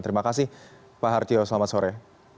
terima kasih pak hartio selamat sore